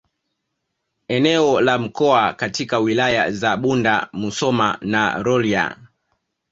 Eneo la mkoa katika Wilaya za Bunda Musoma na Rorya